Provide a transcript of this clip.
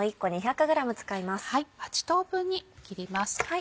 ８等分に切ります。